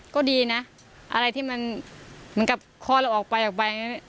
ก็ดีนะอะไรที่มันกลับคอเราจะออกไปออกไป